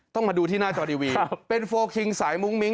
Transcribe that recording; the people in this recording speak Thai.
มาดูที่หน้าจอทีวีเป็นโฟลคิงสายมุ้งมิ้ง